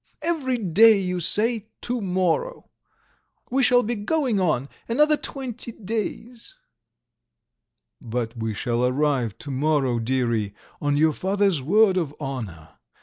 Every day you say to morrow. We shall be going on another twenty days." "But we shall arrive to morrow, dearie, on your father's word of honour.